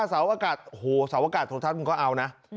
เสาอากาศโถทัศน์มันก็เอานะ